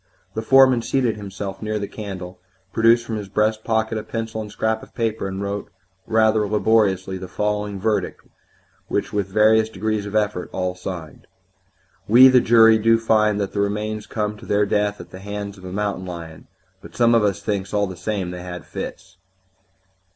The foreman seated himself near the candle, produced from his breast pocket a pencil and scrap of paper, and wrote rather laboriously the following verdict, which with various degrees of effort all signed: "We, the jury, do find that the remains come to their death at the hands of a mountain lion, but some of us thinks, all the same, they had fits."